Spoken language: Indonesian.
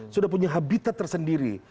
sudah punya habitat tersendiri